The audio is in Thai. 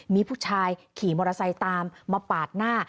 มีผู้ชายขี่มอเตอร์ไซค์ตามมาปาดหน้า